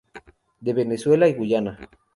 De Venezuela y Guyana.